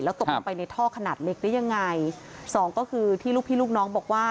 ตกลงไปในท่อขนาดเล็กได้ยังไงสองก็คือที่ลูกพี่ลูกน้องบอกว่า